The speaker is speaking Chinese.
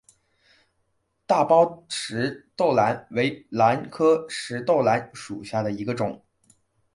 大苞石豆兰为兰科石豆兰属下的一个种。